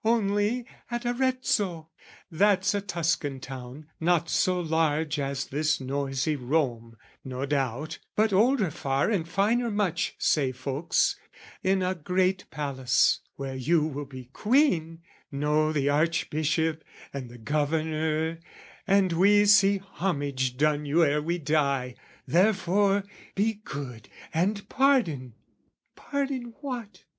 "Only, at Arezzo, that's a Tuscan town, "Not so large as this noisy Rome, no doubt, "But older far and finer much, say folks, "In a great palace where you will be queen, "Know the Archbishop and the Governor, "And we see homage done you ere we die. "Therefore, be good and pardon!" "Pardon what?